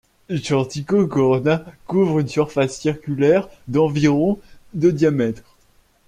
Chantico Corona couvre une surface circulaire d'environ de diamètre.